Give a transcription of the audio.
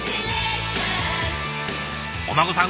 お孫さん